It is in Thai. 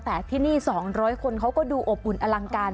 แต่ที่นี่๒๐๐คนเขาก็ดูอบอุ่นอลังการ